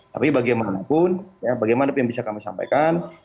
tapi bagaimanapun ya bagaimana yang bisa kami sampaikan